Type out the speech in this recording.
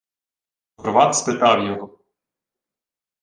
Горват спитав його: